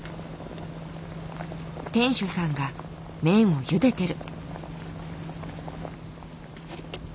店主さんが麺をゆでてる。